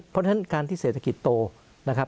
เพราะฉะนั้นการที่เศรษฐกิจโตนะครับ